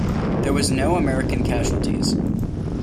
There were no American casualties.